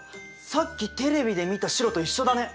さっきテレビで見た白と一緒だね。